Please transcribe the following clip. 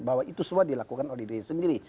bahwa itu semua dilakukan oleh diri sendiri